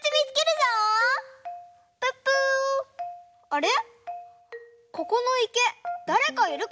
あれ？